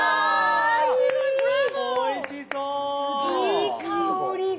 いい香りが。